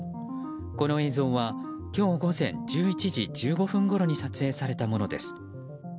この映像は今日午前１１時１５分ごろに撮影されたものです。